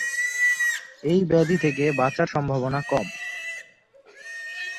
এই ব্যাধি থেকে বাঁচার সম্ভাবনা কম।